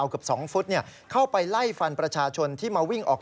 ขอบคุณครับ